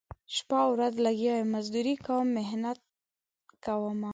شپه ورځ لګیا یم مزدوري کوم محنت کومه